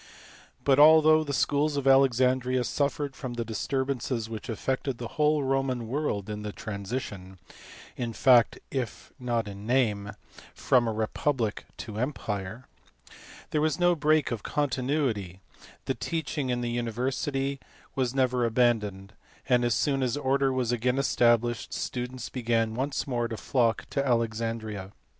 But, although the schools at Alexandria suffered from the disturbances which affected the whole Roman world in the transition, in fact if not in name, from a republic to the empire, there was no break of continuity; the teaching in the university was never abandoned ; and as soon as order was again established students began once more to flock to Alexandria.